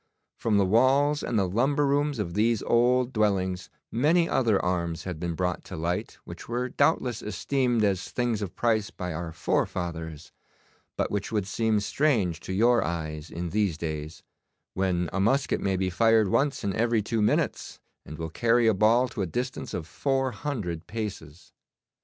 From the walls and the lumber rooms of these old dwellings many other arms had been brought to light which were doubtless esteemed as things of price by our forefathers, but which would seem strange to your eyes in these days, when a musket may be fired once in every two minutes, and will carry a ball to a distance of four hundred paces.